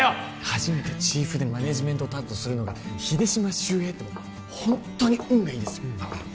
初めてチーフでマネージメント担当するのが秀島修平ってもうホントに運がいいですよ